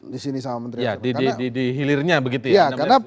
di sini sama menteri yasona